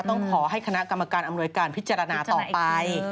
ต้องขอให้คณะกรรมการอำนวยการพิจารณาต่อไป